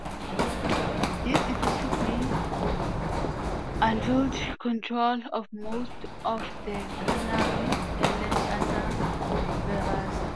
This effectively unified control of most of the Canary Islands under Peraza.